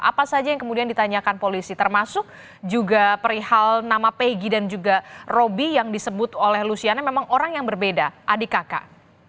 apa saja yang kemudian ditanyakan polisi termasuk juga perihal nama pegi dan juga robby yang disebut oleh luciana memang orang yang berbeda adik kakak